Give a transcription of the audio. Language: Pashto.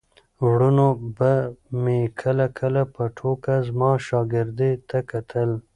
وروڼو به مې کله کله په ټوکه زما شاګردۍ ته کتل.